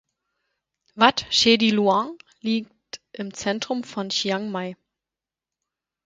Wat Chedi Luang liegt im Zentrum von Chiang Mai.